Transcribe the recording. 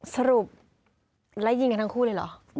สรุปแล้วยิงกันทั้งคู่เลยเหรอ